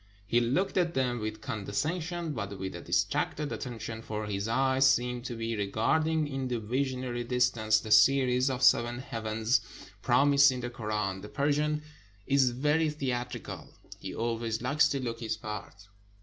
He looked at them with condescension, but with a distracted attention, for his eyes seemed to be regarding in the visionary distance the series of the Seven Heavens promised in the Koran. The Persian is very theatrical; he always likes to look his part.